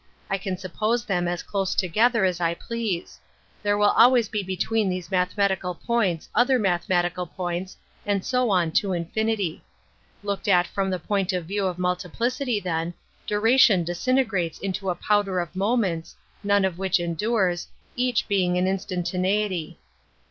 I can suppose them as close together as I please ; there will always be between these mathematical points other mathematical points, and so on to infinity. Looked at from the point of view of multi plicity, then, duration disintegrates into a powder of moments, none of which endures, each being an instantaneity.